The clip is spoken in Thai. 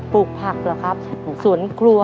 ปลูกผักหรือครับสวนครัว